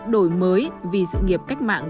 đổi mới vì dự nghiệp cách mạng